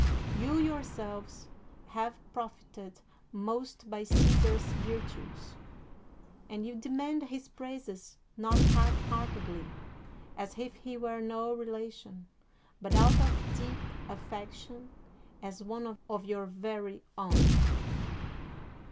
You yourselves have profited most by Caesar's virtues ; and you demand his praises not half heartedly, as if he were no relation, but out of deep aflfec tion as one of your very own.